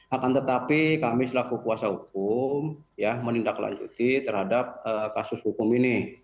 akan tetapi kami selaku kuasa hukum menindaklanjuti terhadap kasus hukum ini